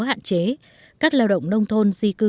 hạn chế các lao động nông thôn di cư